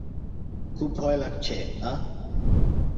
খুব ভয় লাগছে, না?